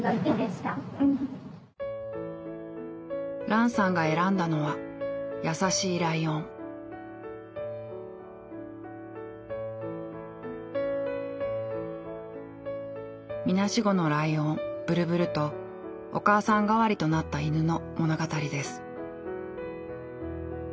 ランさんが選んだのはみなしごのライオンブルブルとお母さん代わりとなった犬の物語です。